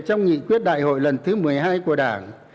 trong nghị quyết đại hội lần thứ một mươi hai của đảng